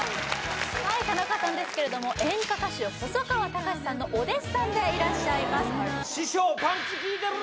はい田中さんですけれども演歌歌手細川たかしさんのお弟子さんでいらっしゃいます